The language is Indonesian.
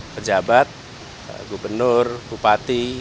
pejabat gubernur bupati